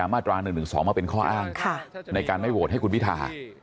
มาตรา๑๑๒มาเป็นข้ออ้างในการไม่โหวตให้คุณพิธา